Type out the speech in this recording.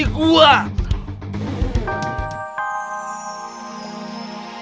eh lu kenapa ketawa